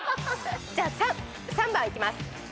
じゃあ３番いきます。